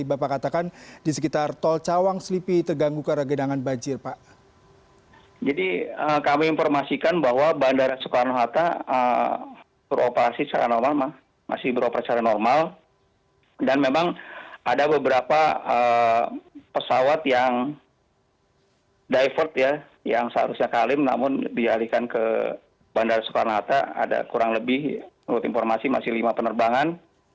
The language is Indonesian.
ada kurang lebih menurut informasi masih lima penerbangan